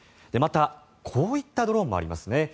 また、こういったドローンもありますね。